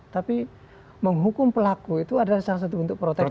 tapi menghukum pelaku itu adalah salah satu bentuk proteksi